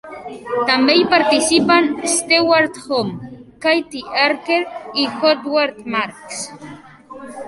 També hi participen Stewart Home, Kathy Acker i Howard Marks.